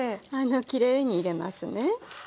きれいに入れますね。